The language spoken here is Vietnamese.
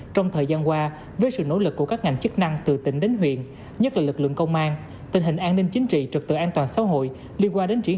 trong thời gian qua với sự nỗ lực của các ngành chức năng từ tỉnh đến huyện nhất là lực lượng công an tình hình an ninh chính trị trực tự an toàn xã hội liên quan đến triển